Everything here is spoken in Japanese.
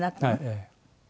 ええ。